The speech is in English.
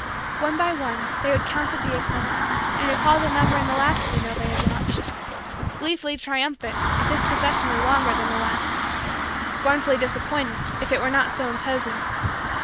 One by one, they would count the vehicles and recall the number in the last funeral they had watched; gleefully triumphant, if this procession were longer than the last; scornfully disappointed, if it were not so imposing.